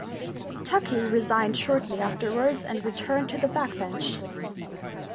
Tuckey resigned shortly afterwards and returned to the backbench.